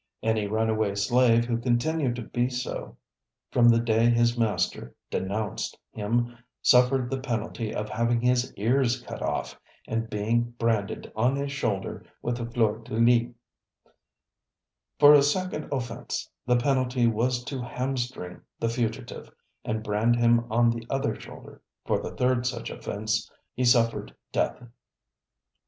Any runaway slave who continued to be so from the day his master "denounced" him suffered the penalty of having his ears cut off and being branded on his shoulder with a fleur de lis. For a second offence the penalty was to hamstring the fugitive and brand him on the other shoulder. For the third such offence he suffered death.